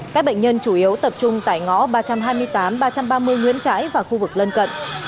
các bệnh nhân chủ yếu tập trung tại ngõ ba trăm hai mươi tám ba trăm ba mươi nguyễn trãi và khu vực lân cận